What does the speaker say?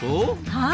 はい。